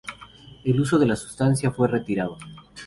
El uso de la sustancia fue retirado.